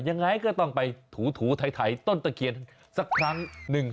ยังไงก็ต้องไปถูไถต้นตะเคียนสักครั้งหนึ่ง